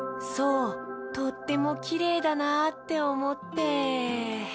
そうとってもきれいだなっておもって。